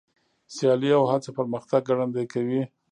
سیالي او هڅه پرمختګ ګړندی کوي.